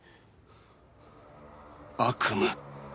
悪夢！